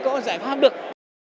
có giải pháp được